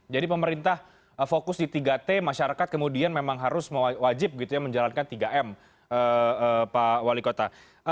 jadi pemerintah fokus di tiga t masyarakat kemudian memang harus wajib menjalankan tiga m pak wali kota